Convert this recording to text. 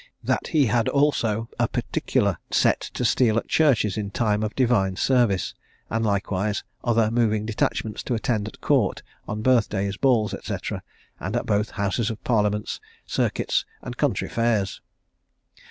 That he had also a particular set to steal at churches in time of divine service; and likewise other moving detachments to attend at court on birth days, balls, &c. and at both houses of parliament, circuits, and country fairs.